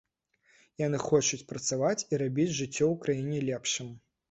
Яны хочуць працаваць і рабіць жыццё ў краіне лепшым.